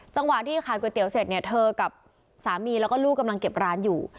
จังหวะที่ขายก๋วยเตี๋ยวเสร็จเนี่ยเธอกับสามีแล้วก็ลูกกำลังเก็บร้านอยู่